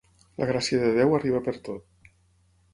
La gràcia de Déu arriba per tot.